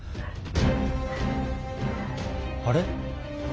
あれ？